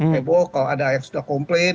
heboh kalau ada yang sudah komplain